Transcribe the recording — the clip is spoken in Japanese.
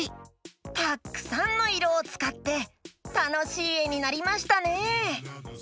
たっくさんのいろをつかってたのしいえになりましたね。